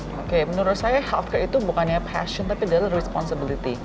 oke menurut saya healthcare itu bukannya passion tapi adalah responsibility